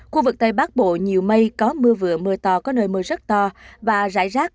khu vực tây bắc bộ nhiều mây có mưa vừa mưa to có nơi mưa rất to và rải rác